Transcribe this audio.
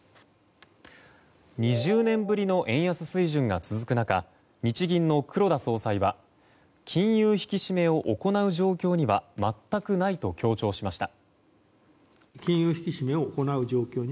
２０年ぶりの円安水準が続く中日銀の黒田総裁は金融引き締めを行う状況には全くないと強調しました。